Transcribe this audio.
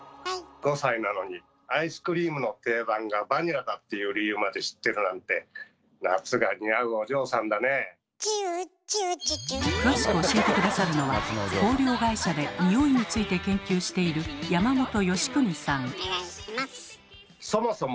５歳なのにアイスクリームの定番がバニラだっていう理由まで知ってるなんて「チュウチュウチュチュ」詳しく教えて下さるのは香料会社でにおいについて研究しているそもそも